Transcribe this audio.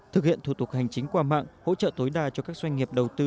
thực hiện thủ tục hành chính qua mạng hỗ trợ tối đa cho các doanh nghiệp đầu tư